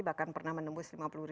bahkan pernah menembus lima puluh